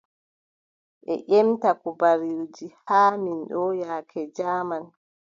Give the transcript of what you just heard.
Ɓe ƴemta kubaruuji haa men ɗo yaake jaaman.